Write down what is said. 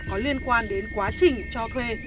có liên quan đến quá trình cho thuê